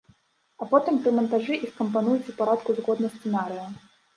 А потым пры мантажы іх кампануюць у парадку згодна сцэнарыя.